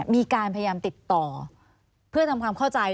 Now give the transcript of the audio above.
มีการพยายามติดต่อเพื่อทำความเข้าใจ